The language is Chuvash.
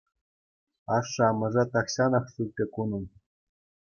Ашшӗ-амӑшӗ тахҫанах ҫук пек унӑн.